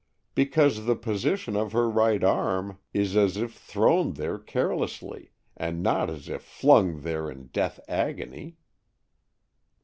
"Because the position of her right arm is as if thrown there carelessly, and not as if flung there in a death agony."